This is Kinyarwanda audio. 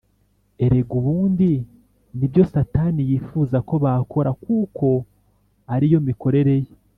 erega ubundi ni byo satani yifuza ko bakora; kuko ari yo mikorere ye